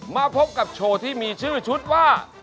มาพบกับโชว์ที่มีชื่อชุดว่า